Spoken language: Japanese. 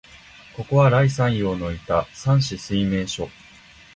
ここは、頼山陽のいた山紫水明処、